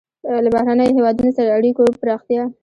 له بهرنیو هېوادونو سره اړیکو پراختیا.